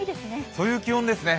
そういう気温ですね。